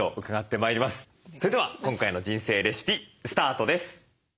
それでは今回の「人生レシピ」スタートです。